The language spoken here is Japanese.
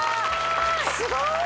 すごーい！